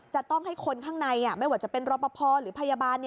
จะต้องให้คนข้างในไม่ว่าจะเป็นรอปภหรือพยาบาล